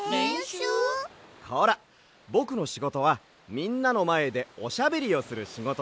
ほらぼくのしごとはみんなのまえでおしゃべりをするしごとだろ？